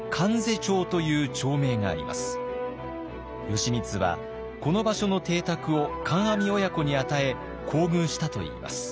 義満はこの場所の邸宅を観阿弥親子に与え厚遇したといいます。